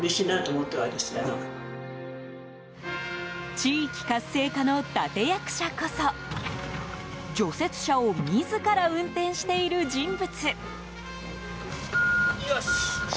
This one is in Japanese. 地域活性化の立役者こそ除雪車を自ら運転している人物。